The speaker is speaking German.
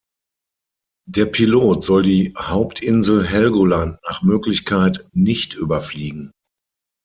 Der Pilot soll die Hauptinsel Helgoland nach Möglichkeit nicht überfliegen.